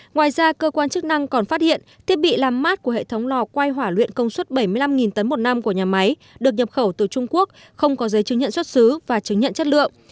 ngoài ra cơ quan chức năng còn phát hiện thiết bị làm mát của hệ thống lò quay hỏa luyện công suất bảy mươi năm tấn một năm của nhà máy được nhập khẩu từ trung quốc không có giấy chứng nhận xuất xứ và chứng nhận chất lượng